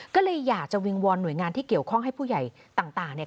ก็เลยอยากจะวิงวอนหน่วยงานที่เกี่ยวข้องให้ผู้ใหญ่ต่างเนี่ย